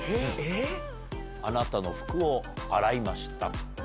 「あなたの服を洗いました」。